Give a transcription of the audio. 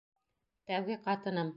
Тәүге ҡатыным!